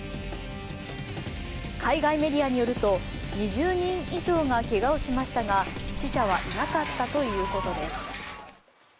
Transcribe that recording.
海外メディアによると、２０人以上がけがをしましたが、死者はいなかったということです。